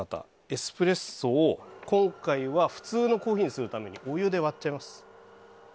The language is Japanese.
エスプレッソを今回は普通のコーヒーにするためにお湯で割っちゃいます。